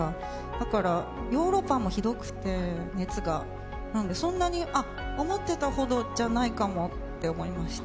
だからヨーロッパもひどくて、熱がなので、そんなに思ってたほどじゃないかもって思いました。